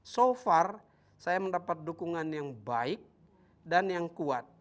so far saya mendapat dukungan yang baik dan yang kuat